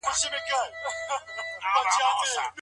په لوی اختر کي غوښه نه کمېږي.